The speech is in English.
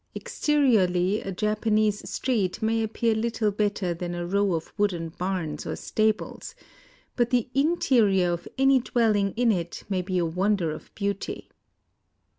Exteriorly a Japanese street may appear little better than a row of wooden barns or stables, but the interior of any dwelling in it may be a wonder of beauty.